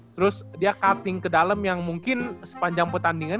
terus dia cutting ke dalam yang mungkin sepanjang pertandingan